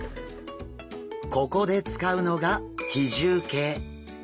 ここで使うのが比重計！